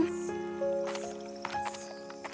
sementara itu reis mencari kekuatan